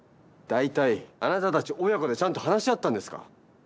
大体あなたたち親子でちゃんと話し合ったんですか？